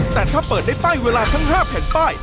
แต่ถ้าเปิดได้ป้ายเวลาทั้ง๕แผ่นป้าย